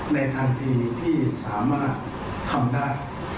ในทันทีที่สามารถทำได้